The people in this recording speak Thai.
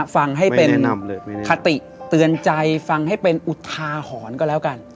ฟังให้เป็นคติเตือนใจฟังให้เป็นอุทาหรณ์ก็แล้วกัน